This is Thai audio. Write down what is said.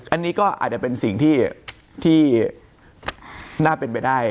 อันนี้ก็อาจจะเป็นสิ่งที่น่าเป็นไปได้